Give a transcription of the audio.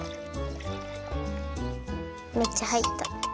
めっちゃはいった。